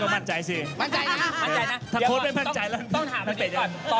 มั่นใจมั้ยครับพี่โก้